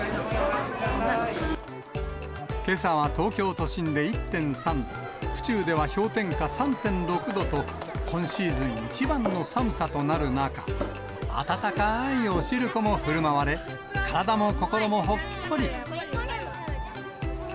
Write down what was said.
けさは東京都心で１．３度、府中では氷点下３．６度と、今シーズン一番の寒さとなる中、温かいお汁粉もふるまわれ、体も心もほっこり。